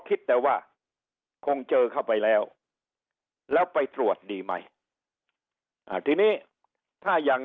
คิดแต่ว่าคงเจอเข้าไปแล้วแล้วไปตรวจดีไหมอ่าทีนี้ถ้าอย่าง